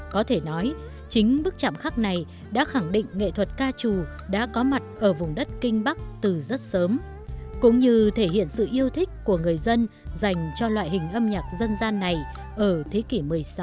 có thể nói chính bức chạm khắc này đã khẳng định nghệ thuật ca trù đã có mặt ở vùng đất kinh bắc từ rất sớm cũng như thể hiện sự yêu thích của người dân dành cho loại hình âm nhạc dân gian này ở thế kỷ một mươi sáu